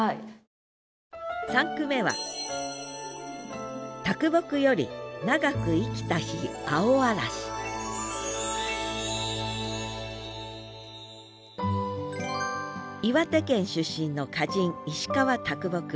３句目は岩手県出身の歌人石川啄木。